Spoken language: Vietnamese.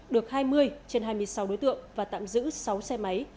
được hai mươi trên hai mươi sáu đối tượng và tạm giữ sáu xe máy